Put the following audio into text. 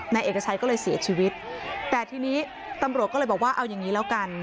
นายเอกชัยก็เลยเสียชีวิตแต่ทีนี้ตำรวจก็เลยบอกว่าเอาอย่างงี้แล้วกัน